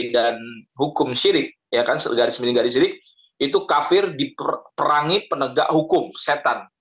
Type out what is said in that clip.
dan hukum syirik ya kan garis garis syirik itu kafir diperangi penegak hukum setan